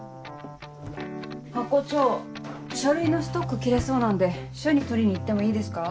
ハコ長書類のストック切れそうなんで署に取りに行ってもいいですか？